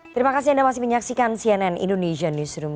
terima kasih anda masih menyaksikan cnn indonesian newsroom